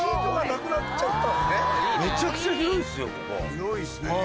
広いですね。